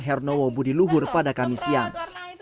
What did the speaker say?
hernowo budi luhur pada kamis siang